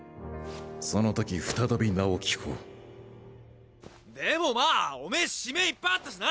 その時再び名を訊こうでもまおめ指名いっぱいあったしな！